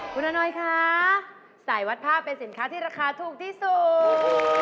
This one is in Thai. คุณอนอยคะสายวัดผ้าเป็นสินค้าที่ราคาถูกที่สุด